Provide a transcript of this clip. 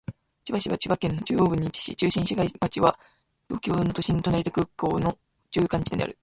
千葉市は千葉県の中央部に位置し、中心市街地は東京都の都心と成田国際空港の中間地点である。